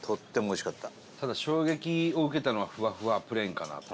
伊達：ただ、衝撃を受けたのはふわふわプレーンかなと。